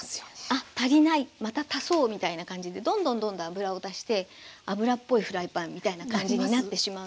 あ足りないまた足そうみたいな感じでどんどんどんどん油を足して油っぽいフライパンみたいな感じになってしまうんですけど。